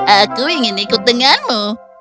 aku ingin ikut denganmu